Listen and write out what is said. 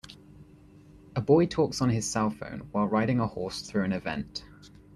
A boy talks on his cellphone, while riding a horse through an event.